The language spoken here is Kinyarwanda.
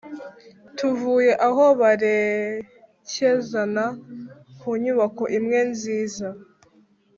tuvuye aho barekezana kunyubako imwe nziza